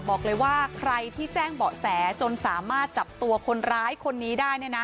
บอกเลยว่าใครที่แจ้งเบาะแสจนสามารถจับตัวคนร้ายคนนี้ได้